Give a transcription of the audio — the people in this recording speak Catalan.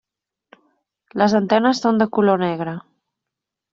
Les antenes són de color negre.